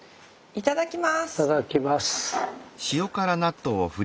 いただきます。